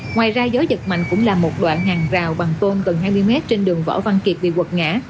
ngoài ra gió giật mạnh cũng là một đoạn hàng rào bằng tôn gần hai mươi mét trên đường võ văn kiệt bị quật ngã